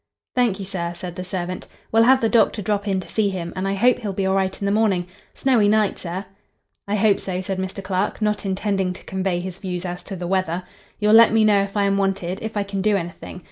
"Thank you, sir," said the servant. "We'll have the doctor drop in to see him, and I hope he'll be all right in the morning. Snowy night, sir." "I hope so," said Mr. Clark, not intending to convey his views as to the weather. "You'll let me know if I am wanted—if I can do anything.